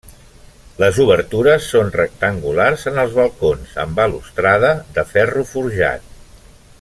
Les obertures són rectangulars en els balcons amb balustrada de ferro forjat.